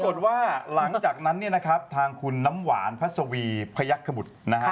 ปรากฏว่าหลังจากนั้นเนี่ยนะครับทางคุณน้ำหวานพัสวีพยักษบุตรนะฮะ